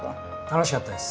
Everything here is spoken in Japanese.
楽しかったです。